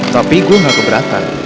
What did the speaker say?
tapi gue gak keberatan